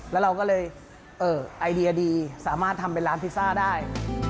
แล้วเราก็เลยไอเดียดีสามารถทำเป็นร้านพิซซ่าได้